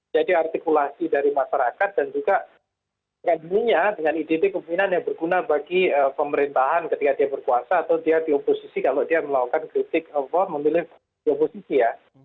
jadi artikulasi dari masyarakat dan juga dengan idp keperluan yang berguna bagi pemerintahan ketika dia berkuasa atau dia dioposisi kalau dia melakukan kritik memilih dioposisi ya